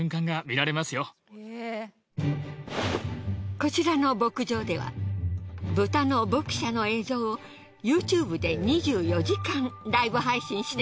こちらの牧場では豚の牧舎の映像をＹｏｕＴｕｂｅで２４時間ライブ配信していたのです。